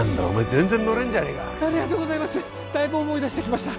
全然乗れんじゃねえかありがとうございますだいぶ思い出してきました